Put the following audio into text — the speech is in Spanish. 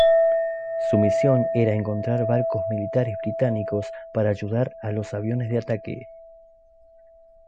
Su misión era encontrar barcos militares británicos para ayudar a los aviones de ataque.